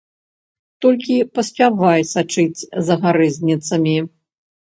Толькі паспявай сачыць за гарэзніцамі.